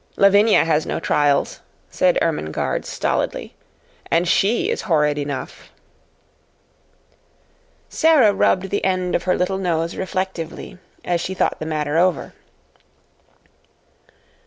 "Lavinia has no trials," said Ermengarde, stolidly, "and she is horrid enough." Sara rubbed the end of her little nose reflectively, as she thought the matter over.